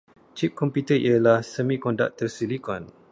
Cip komputer ialah semikonduktor silicon.